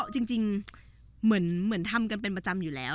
จริงเหมือนทำกันเป็นประจำอยู่แล้ว